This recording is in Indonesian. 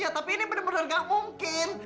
ya tapi ini bener bener gak mungkin